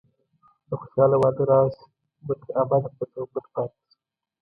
د خوشحاله واده راز به تر ابده پټ او پټ پاتې شي.